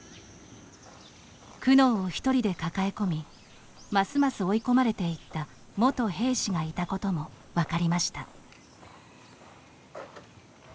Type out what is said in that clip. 苦悩を１人で抱え込みますます追い込まれていった元兵士がいたことも分かりました。